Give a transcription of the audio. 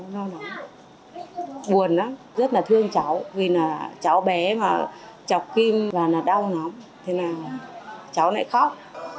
nó buồn lắm rất là thương cháu vì là cháu bé mà chọc kim và đau lắm thế nào cháu lại khóc